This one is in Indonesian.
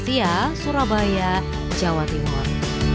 satria surabaya jawa timur